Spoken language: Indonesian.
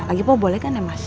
lagi pak boleh kan ya mas